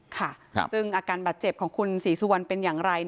ค่ะซึ่งอาการบาดเจ็บของคุณศรีสุวรรณเป็นอย่างไร